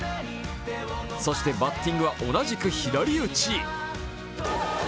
そしてバッティングは同じく左打ち。